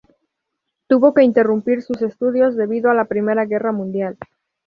Tuvo que interrumpir sus estudios debido a la Primera Guerra Mundial.